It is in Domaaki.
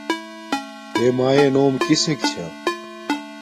تݺ مݳیݺ نݸم کِسݵک چھݳ؟